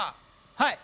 はい。